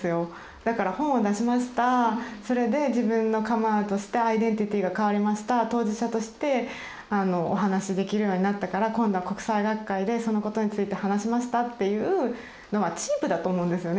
だから本を出しましたそれで自分のカムアウトしてアイデンティティーが変わりました当事者としてお話しできるようになったから今度は国際学会でそのことについて話しましたっていうのはチープだと思うんですよね